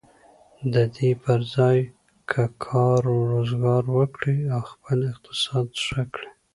د دې پر ځای که کار و روزګار وکړي او خپل اقتصاد ښه کړي.